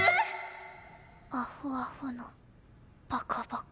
アホアホのバカバカ。